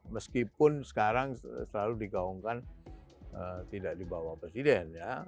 meskipun sekarang selalu digaungkan tidak dibawah presiden